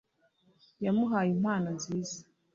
yamuhaye impano nziza